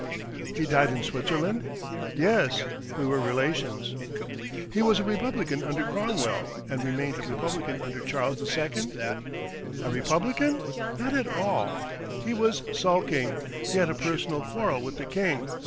"He died in Switzerland?" "Yes; we were relations." "He was a republican under Cromwell, and remained a republican under Charles II.?" "A republican? Not at all! He was sulking. He had a personal quarrel with the king.